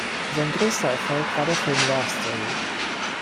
Sein größter Erfolg war der Film "Love Story".